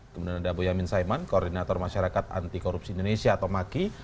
kemudian ada boyamin saiman koordinator masyarakat anti korupsi indonesia atau maki